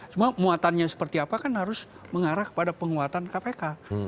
cuma muatannya seperti apa kan harus mengarah kepada penguatan kpk